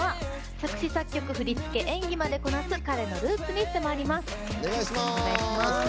作詞、作曲、振り付け演技までこなす彼のルーツに迫ります。